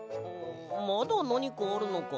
まだなにかあるのか？